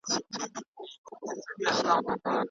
زده کوونکی به زده کړه وکړي او دا به تعليم وي.